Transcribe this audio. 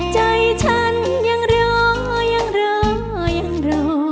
ใจฉันยังรอยังรอยังรอ